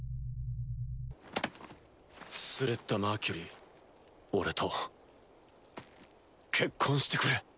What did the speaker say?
スレッタ・マーキュリー俺と結婚してくれ。